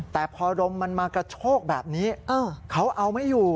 แต่พอลมมันมากระโชกแบบนี้เขาเอาไม่อยู่